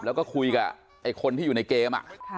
แล้วก็คุยกับไอ้คนที่อยู่ในเกม